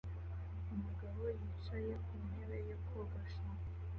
Umugabo yicaye ku ntebe yo kogosha